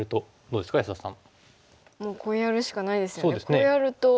こうやると。